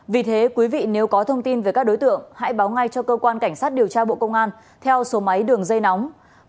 vì thế quý vị nếu có thông tin về các đối tượng hãy báo ngay cho cơ quan cảnh sát điều tra bộ công an theo số máy đường dây nóng sáu mươi chín hai trăm ba mươi bốn năm nghìn tám trăm sáu mươi